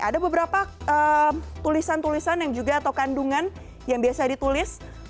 ada beberapa tulisan tulisan yang juga atau kandungan yang biasa ditulis